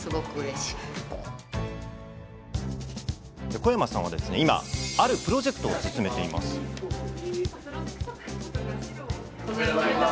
小山さんは、今あるプロジェクトを進めています。